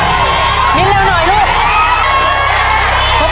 พบไหมหลุดอันยังเปล่า